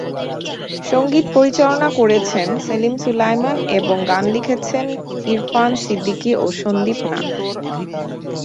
সঙ্গীত পরিচালনা করেছেন সেলিম-সুলায়মান এবং গান লিখেছেন ইরফান সিদ্দিকী ও সন্দীপ নাথ।